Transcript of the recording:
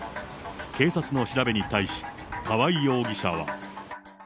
警察の調べに対し、川合容疑者は。